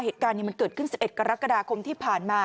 เหตุการณ์มันเกิดขึ้น๑๑กรกฎาคมที่ผ่านมา